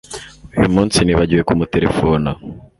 Uyu munsi nibagiwe kumuterefona